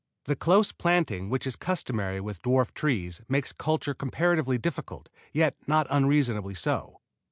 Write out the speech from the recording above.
The close planting which is customary with dwarf trees makes culture comparatively difficult, yet not unreasonably so.